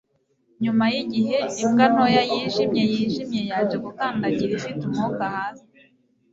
nyuma yigihe, imbwa ntoya yijimye-yijimye yaje gukandagira ifite umwuka hasi